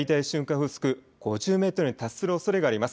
風速５０メートルに達するおそれがあります。